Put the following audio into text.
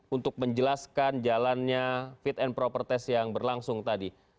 untuk menjelaskan jalannya fit and proper test yang berlangsung tadi